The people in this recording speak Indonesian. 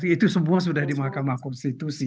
itu semua sudah di mahkamah konstitusi